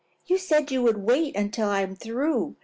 "You said you would wait until I am through.